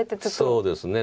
そうですね。